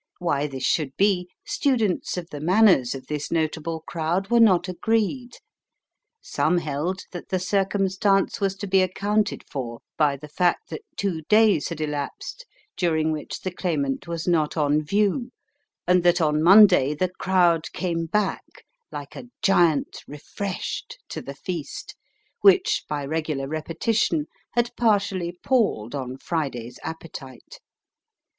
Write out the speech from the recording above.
Why this should be, students of the manners of this notable crowd were not agreed. Some held that the circumstance was to be accounted for by the fact that two days had elapsed during which the Claimant was not on view, and that on Monday the crowd came back, like a giant refreshed, to the feast, which, by regular repetition, had partially palled on Friday's appetite.